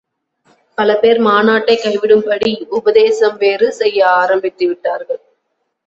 பல பேர் மாநாட்டை கைவிடும்படி உபதேசம் வேறு செய்ய ஆரம்பித்துவிட்டார்கள்.